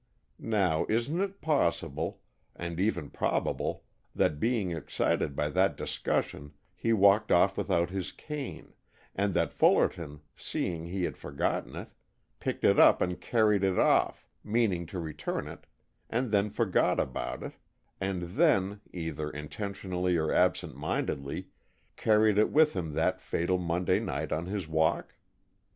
Now, isn't it possible, and even probable, that being excited by that discussion he walked off without his cane, and that Fullerton, seeing he had forgotten it, picked it up and carried it off, meaning to return it, and then forgot about it, and then, either intentionally or absent mindedly, carried it with him that fatal Monday night on his walk?